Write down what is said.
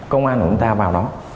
công an của chúng ta vào đó